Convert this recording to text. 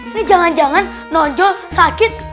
ini jangan jangan nonjol sakit